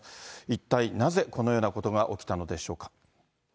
一体なぜ、このようなことが起きたのでしょうか。